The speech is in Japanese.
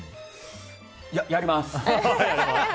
やります！